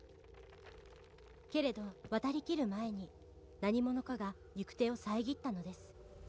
「けれど渡りきる前に何者かが行く手を遮ったのです」